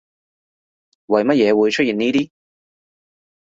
為乜嘢會出現呢啲